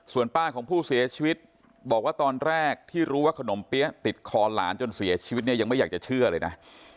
ส่วนป้าของผู้เสียชีวิตบอกว่าตอนแรกที่รู้ว่าขนมเปี๊ยะติดคอหลานจนเสียชีวิตเนี่ยยังไม่อยากจะเชื่อเลยนะ